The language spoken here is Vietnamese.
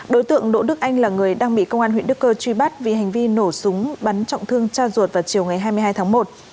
đối tượng đỗ đức anh là người đang bị công an huyện đức cơ truy bắt vì hành vi nổ súng bắn trọng thương cha ruột vào chiều ngày hai mươi hai tháng một